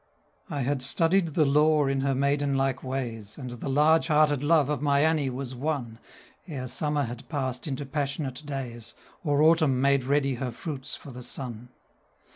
I had studied the lore in her maiden like ways, And the large hearted love of my Annie was won, 'Ere Summer had passed into passionate days, Or Autumn made ready her fruits for the Sun.